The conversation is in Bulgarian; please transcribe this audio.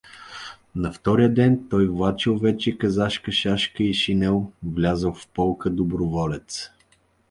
На втория ден той влачел вече казашка шашка и шинел, влязъл в полка доброволец.